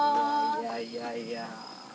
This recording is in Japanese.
いやいやいやいや。